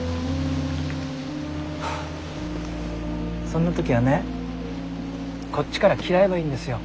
そんな時はねこっちから嫌えばいいんですよ。